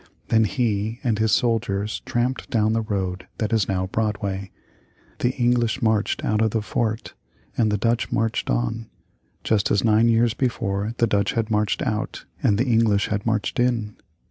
Then he and his soldiers tramped down the road that is now Broadway. The English marched out of the fort, and the Dutch marched in; just as nine years before the Dutch had marched out and the English had marched in.